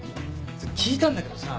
聞いたんだけどさ